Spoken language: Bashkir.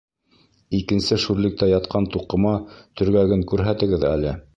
Икенсе шүрлектә ятҡан туҡыма төргәген күрһәтегеҙ әле